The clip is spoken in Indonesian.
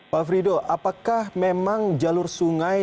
pak frido apakah memang jalur sungai